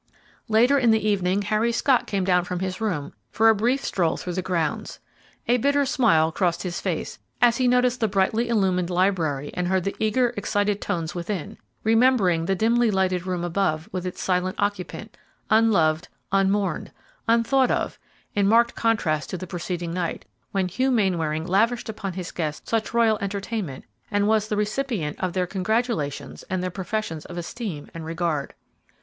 Later in the evening Harry Scott came down from his room for a brief stroll through the grounds. A bitter smile crossed his face as he noticed the brightly illumined library and heard the eager, excited tones within, remembering the dimly lighted room above with its silent occupant, unloved, unmourned, unthought of, in marked contrast to the preceding night, when Hugh Mainwaring lavished upon his guests such royal entertainment and was the recipient of their congratulations and their professions of esteem and regard.